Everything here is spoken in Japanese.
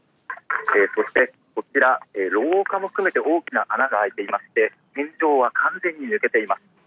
そしてこちら、廊下も含めて大きな穴が開いていまして、天井は完全に抜けています。